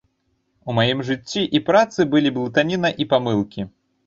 У маім жыцці і працы былі блытаніна і памылкі.